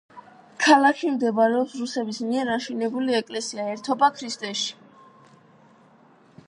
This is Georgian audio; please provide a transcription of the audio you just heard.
ქალაქში მდებარეობს რუსების მიერ აშენებული ეკლესია „ერთობა ქრისტეში“.